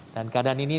dan keadaan ini